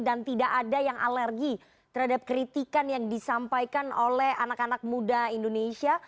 dan tidak ada yang alergi terhadap kritikan yang disampaikan oleh anak anak muda indonesia